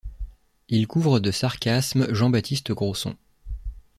Il couvre de sarcasmes Jean-Baptiste Grosson.